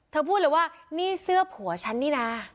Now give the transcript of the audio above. เธอพูดเลยว่านี่เสื้อผัวชานี่น้า